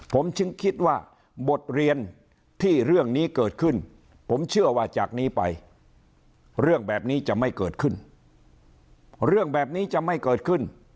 ผมจึงคิดว่าบทเรียนที่เรื่องนี้เกิดขึ้นผมเชื่อว่าจากนี้ไปเรื่องแบบนี้จะไม่เกิดขึ้นเรื่องแบบนี้จะไม่เกิดขึ้น